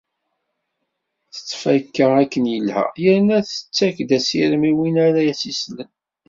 Tettfakka akken ilha, yerna tettak-d asirem i winn ara as-islen.